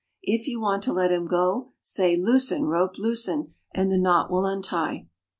If you want to let him go, say, ' Loosen, rope, loosen,' and the knot will untie."